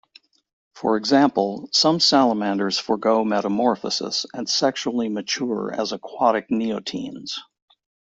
For example, some salamanders forgo metamorphosis and sexually mature as aquatic neotenes.